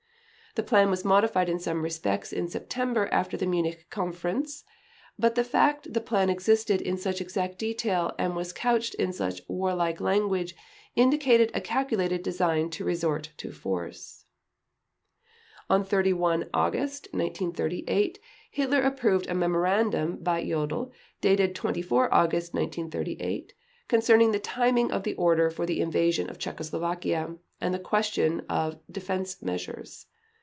The plan was modified in some respects in September after the Munich Conference, but the fact the plan existed in such exact detail and was couched in such war like language indicated a calculated design to resort to force. On 31 August 1938 Hitler approved a memorandum by Jodl dated 24 August 1938, concerning the timing of the order for the invasion of Czechoslovakia and the question of defense measures.